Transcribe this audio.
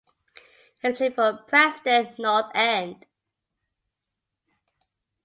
He played for Preston North End.